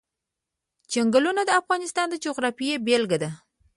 چنګلونه د افغانستان د جغرافیې بېلګه ده.